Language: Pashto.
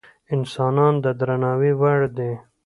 انسانان د درناوي وړ دي.